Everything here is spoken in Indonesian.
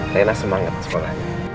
rena semangat semangat